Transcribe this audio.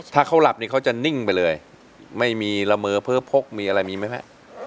ถ้าเขาหลับนี่เขาจะนิ่งไปเลยไม่มีละเมอเพ้อพกมีอะไรมีไหมฮะ